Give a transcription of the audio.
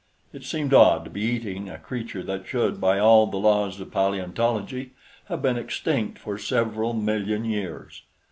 It seemed odd to be eating a creature that should, by all the laws of paleontology, have been extinct for several million years.